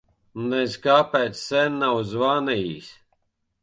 Nez kāpēc sen nav zvanījis.